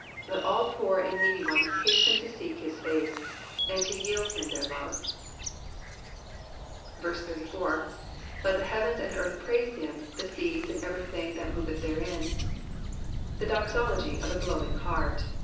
Let all poor and needy ones hasten to seek his face, and to yield him their love. 34. "Z^ the hearken and earth praite him, the sftis, and etery thing that mowtk therein.^'' The doxology of a glowing heart.